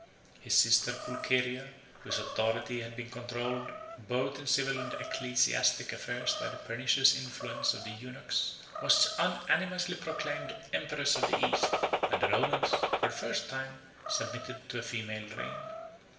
50 His sister Pulcheria, whose authority had been controlled both in civil and ecclesiastical affairs by the pernicious influence of the eunuchs, was unanimously proclaimed Empress of the East; and the Romans, for the first time, submitted to a female reign.